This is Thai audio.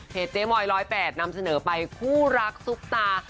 เจ๊มอย๑๐๘นำเสนอไปคู่รักซุปตา